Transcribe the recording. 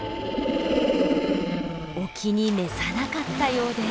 お気に召さなかったようです。